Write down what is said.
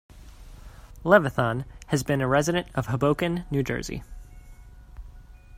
Levithan has been a resident of Hoboken, New Jersey.